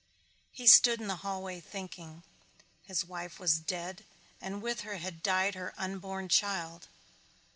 He stood in the hallway thinking. His wife was dead and with her had died her unborn child.